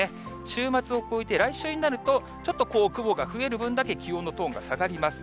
週末を超えて、来週になると、ちょっと雲が増える分だけ、気温のトーンが下がります。